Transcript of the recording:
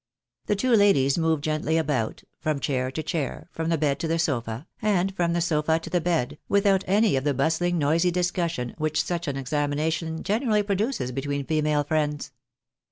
The two ladies moved gently about, from chair to chair, from the bed to the sofa, and from the sofa to the bed, without any of the busthng noisy discussion which such an examination generally produces between female friends.